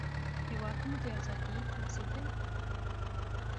هېواد مو د ازادۍ تمثیل دی